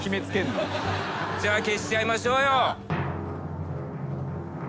じゃあ消しちゃいましょうよ。